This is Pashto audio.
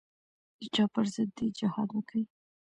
د چا پر ضد دې جهاد وکي.